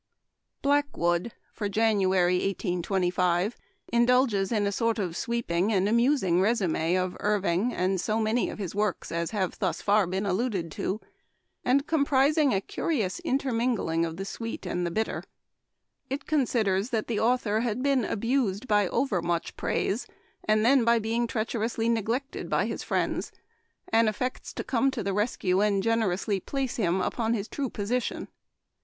BLACKWOOD" for January, 1825, in dulges in a sort of sweeping and amus ing resume of Irving and so many of his works as have thus far been alluded to, and compris ing a curious intermingling of the sweet and bitter. It considers that the author had been abused by overmuch praise, and then by being treacherously neglected by his friends, and af fects to come to the rescue and generously place him upon his true position.